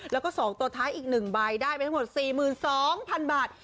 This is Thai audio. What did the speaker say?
แล้วก็๒ตัวท้ายอีก๑ใบได้ไปทั้งหมด๔๒๐๐๐บาท